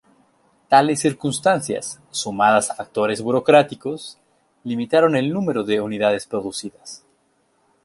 Tales circunstancias, sumadas a factores burocráticos, limitaron el número de unidades producidas.